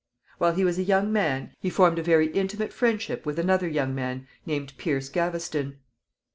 While he was a young man he formed a very intimate friendship with another young man named Piers Gaveston.